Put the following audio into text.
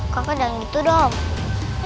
kakak jangan gitu dong